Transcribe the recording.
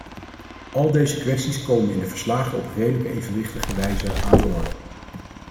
Al deze kwesties komen in de verslagen op redelijk evenwichtige wijze aan de orde.